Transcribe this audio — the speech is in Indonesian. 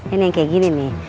ini yang kayak gini nih